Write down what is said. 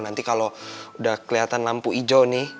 nanti kalo udah keliatan lampu ijo nih